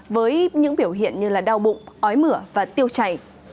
với những biểu hiện như đau bụng ói mửa và tiêu chảy